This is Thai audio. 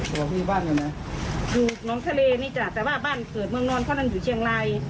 สวัสดีบ้านอยู่ไหนอยู่น้องทะเลนี่จ้ะแต่ว่าบ้านเกิดเมืองนอนเขานั่นอยู่เชียงราย